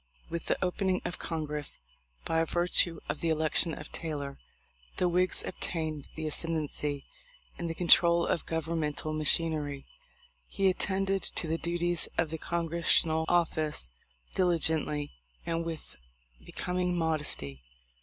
With the opening of Congress, by virtue of the election of Taylor, the Whigs obtained the ascendency in the control of governmental machin ery. He attended to the duties of the Congres sional office diligently and with becoming modesty.